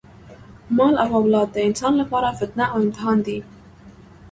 مال او اولاد د انسان لپاره فتنه او امتحان دی.